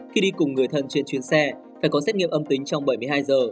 khi đi cùng người thân trên chuyến xe phải có xét nghiệm âm tính trong bảy mươi hai giờ